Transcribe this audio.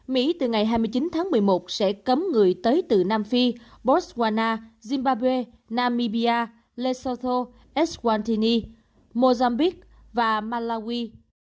mỹ từ ngày hai mươi chín tháng một mươi một sẽ cấm người tới từ nam phi botswana zimbabwe namibia lesotho eswatini mozambique và malawi